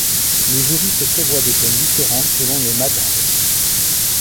Les juristes prévoient des peines différentes selon les madhhabs.